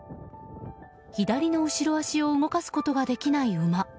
左の後ろ足を動かすことができない馬。